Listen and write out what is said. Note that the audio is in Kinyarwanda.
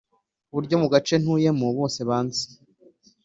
ku buryo no mu gace ntuyemo bose banzi